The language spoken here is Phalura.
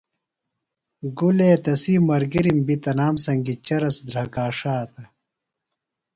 گُلے تسی ملگِرِم بیۡ تنام سنگیۡ چرس دھرکا ݜاتہ۔